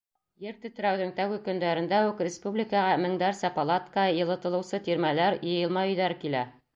Ер тетрәүҙең тәүге көндәрендә үк республикаға меңдәрсә палатка, йылытылыусы тирмәләр, йыйылма өйҙәр килә.